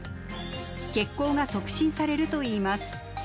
血行が促進されるといいます。